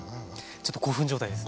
ちょっと興奮状態ですね！